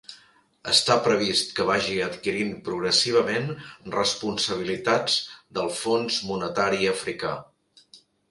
Està previst que vagi adquirint progressivament responsabilitats del Fons Monetari Africà.